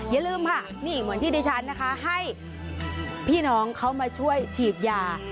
อย่าลืมค่ะนี่เหมือนที่ดิฉันนะคะให้พี่น้องเขามาช่วยฉีดยา